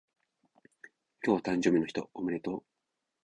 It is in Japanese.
今日誕生日の人おめでとう